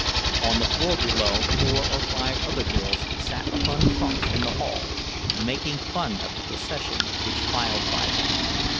On the floor below four or five other girls sat upon trunks in the hall, making fun of the procession which filed by them.